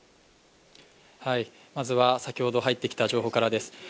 まずは先ほど入ってきた情報からです。